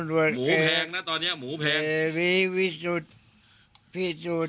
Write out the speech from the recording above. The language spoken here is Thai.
หมูแพงนะตอนนี้หมูแพงนะพี่สุดพี่สุด